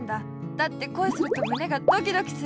だってこいするとむねがドキドキする。